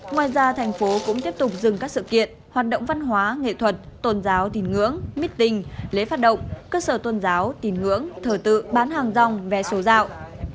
ngoài ra thành phố cũng tiếp tục dừng các sự kiện hoạt động văn hóa nghệ thuật tôn giáo tín ngưỡng meeting lễ phát động cơ sở tôn giáo tín ngưỡng thờ tự bán hàng rong vé số dạo